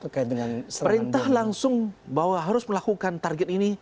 perintah langsung bahwa harus melakukan target ini